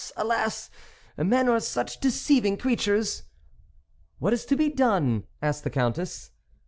alas ! men are such deceiving creatures !"" What is to be done ?" asked the Countess.